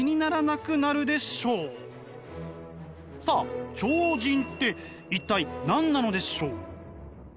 さあ超人って一体何なのでしょう？